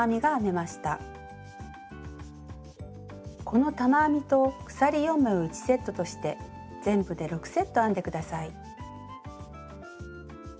この玉編みと鎖４目を１セットとして全部で６セット編んで下さい。